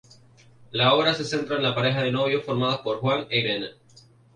La obra se centra en la pareja de novios formada por Juan e Irene.